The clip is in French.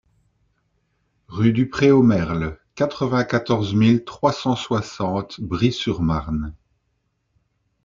Rue du Pré Aux Merles, quatre-vingt-quatorze mille trois cent soixante Bry-sur-Marne